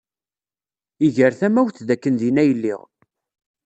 Iger tamawt dakken din ay lliɣ.